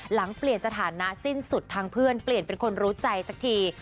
หลังเปลี่ยนสถานะสิ้นสุดทางเพื่อนเปลี่ยนเป็นคนรู้ใจสักที